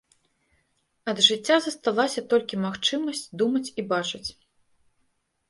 Ад жыцця засталася толькі магчымасць думаць і бачыць.